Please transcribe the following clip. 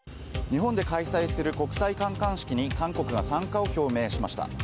日本で開催する国際観艦式に韓国が参加を表明しました。